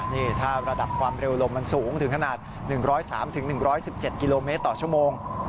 นี่ถ้าระดับความเร็วลมมันสูงถึงขนาด๑๐๓๑๑๗กิโลเมตรต่อชั่วโมง